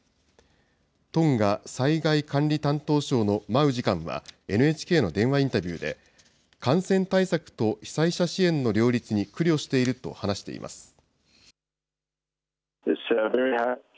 トンガ災害管理担当省のマウ次官はＮＨＫの電話インタビューで、感染対策と被災者支援の両立に苦慮していると話しています。